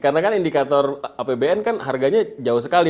nah sektor apbn kan harganya jauh sekali